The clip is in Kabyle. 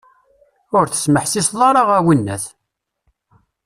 Ur tesmeḥsiseḍ ara, a winnat!